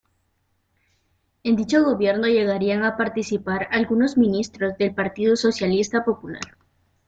En dicho gobierno llegarían a participar algunos ministros del Partido Socialista Popular.